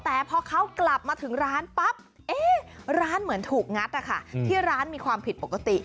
แต่พอเขากลับมาถึงร้านปั๊บร้านเหมือนถูกงัดที่ร้านมีความผิดปกติ